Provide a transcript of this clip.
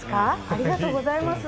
ありがとうございます。